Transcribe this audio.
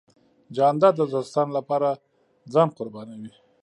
جانداد د دوستانو له پاره ځان قربانوي .